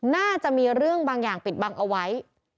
น่าจะมีเรื่องบางอย่างปิดบังเอาไว้